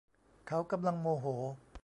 เขากำลังโมโห